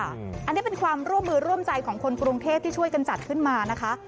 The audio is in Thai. อันนี้เป็นความร่วมมือร่วมใจของคนกรุงเทพที่ช่วยกันจัดขึ้นมานะคะ